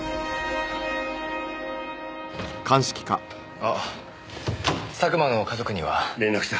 あっ佐久間の家族には？連絡した。